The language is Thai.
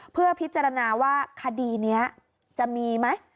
เพื่อพิจารณาว่าคดีนี้จะมีไหม